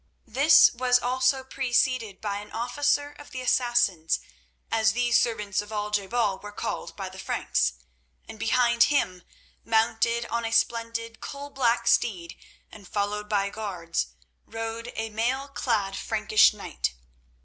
This was also preceded by an officer of the Assassins, as these servants of Al je bal were called by the Franks, and behind him, mounted on a splendid coalblack steed and followed by guards, rode a mail clad Frankish knight.